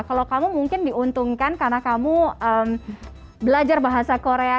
kalau kamu mungkin diuntungkan karena kamu belajar bahasa korea